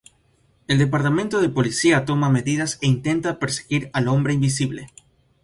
El departamento de policía toma medidas e intenta perseguir al "hombre invisible".